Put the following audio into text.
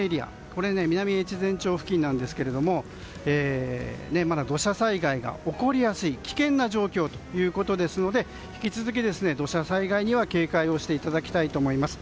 こちら南越前町付近ですがまだ土砂災害が起こりやすい危険な状況ということなので引き続き土砂災害には警戒していただきたいと思います。